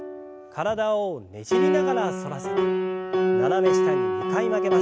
体をねじりながら反らせて斜め下に２回曲げます。